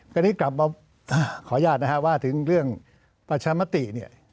ก็นี่กลับเอาขออนุญาตนะครับว่าถึงเรื่องปัชธรรมติ